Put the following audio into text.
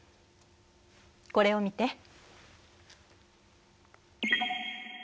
これを見て。